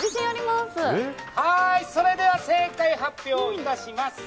それでは正解発表いたします。